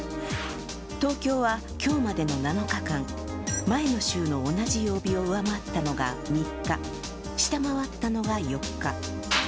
東京は今日までの７日間前の週の同じ曜日を上回ったのが３日下回ったのが４日。